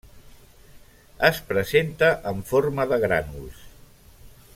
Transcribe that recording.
Es presenta en forma de grànuls.